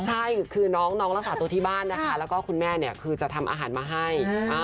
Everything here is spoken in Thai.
ใช่คือน้องรักษาตัวที่บ้านนะคะแล้วก็คุณแม่เนี่ยคือจะทำอาหารมาให้